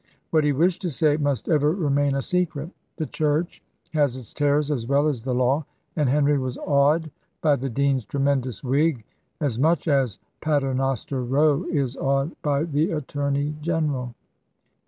What he wished to say must ever remain a secret. The church has its terrors as well as the law; and Henry was awed by the dean's tremendous wig as much as Paternoster Row is awed by the Attorney General.